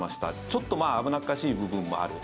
ちょっと危なっかしい部分もある。